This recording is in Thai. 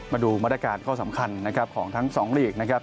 มาดูมาตรการข้อสำคัญนะครับของทั้งสองลีกนะครับ